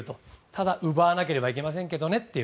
ただ奪わなければいけませんけどねって